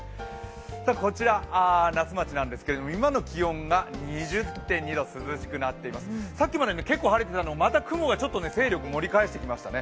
こちら、那須町なんですが今の気温が２０．２度、涼しくなっています、さっきまで結構、晴れてたんですけどまた雲がちょっと勢力盛り返してきましたね。